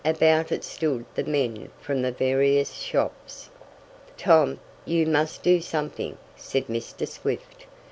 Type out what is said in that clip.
About it stood the men from the various shops. "Tom, you must do something," said Mr. Swift.